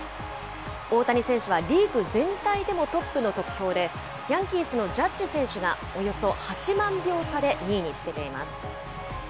大谷選手はリーグ全体でもトップの得票で、ヤンキースのジャッジ選手がおよそ８万票差で２位につけています。